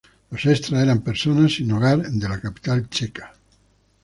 Los extras eran personas sin hogar de la capital checa.